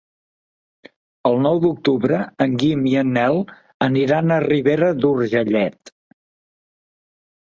El nou d'octubre en Guim i en Nel aniran a Ribera d'Urgellet.